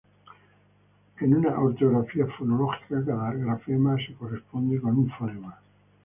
En una ortografía fonológica cada grafema se corresponde con un fonema.